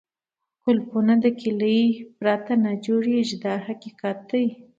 قلفونه له کونجۍ پرته نه جوړېږي دا حقیقت دی.